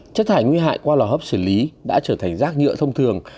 chất thải nguy hại qua lò hấp xử lý đã trở thành rác nhựa thông thường